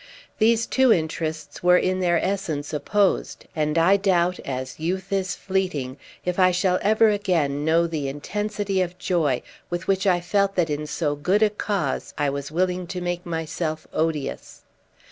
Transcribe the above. These two interests were in their essence opposed; and I doubt, as youth is fleeting, if I shall ever again know the intensity of joy with which I felt that in so good a cause I was willing to make myself odious.